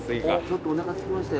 ちょっとおなかすきました。